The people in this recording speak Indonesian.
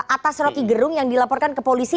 atas rocky gerung yang dilaporkan ke polisi